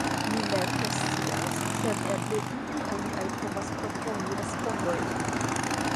Mi mem ne scias, sed eble iuj aliaj povas proponi respondojn.